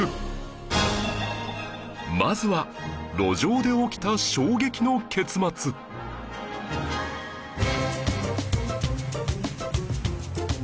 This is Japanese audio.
まずは路上で起きた衝撃の結末するとそこへ。